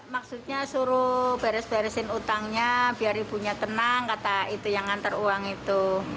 maksudnya suruh beres beresin utangnya biar ibunya tenang kata itu yang ngantar uang itu